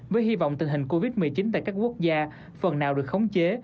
với hy vọng tình hình covid một mươi chín tại các quốc gia phần nào được khống chế